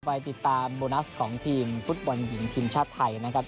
ไปติดตามโบนัสของทีมฟุตบอลหญิงทีมชาติไทยนะครับ